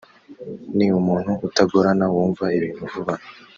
ni umuntu utagorana wumva ibintu vuba